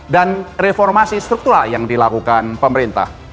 dan reformasi struktural yang dilakukan pemerintah